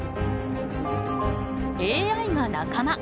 「ＡＩが仲間」。